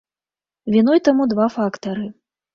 Віной таму два фактары.